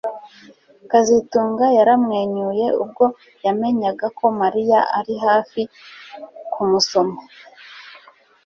kazitunga yaramwenyuye ubwo yamenyaga ko Mariya ari hafi kumusoma